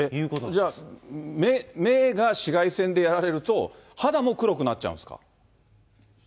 じゃあ、目が紫外線でやられると、肌も黒くなっちゃうんですか。